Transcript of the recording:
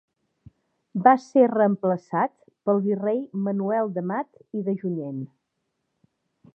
Va ser reemplaçat pel virrei Manuel d'Amat i de Junyent.